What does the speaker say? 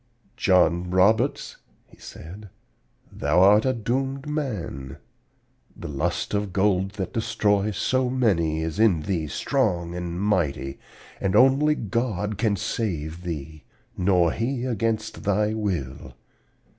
"'John Roberts,' he said, 'thou art a doomed man. The lust of gold that destroys so many is in thee strong and mighty, and only God can save thee, nor He against thy will.